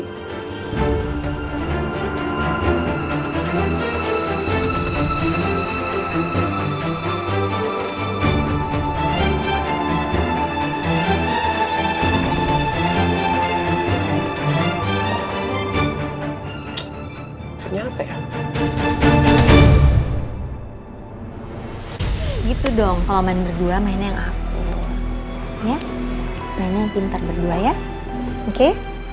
hai senyap ya gitu dong kolamannya berdua main yang aku ya mainnya pinter berdua ya oke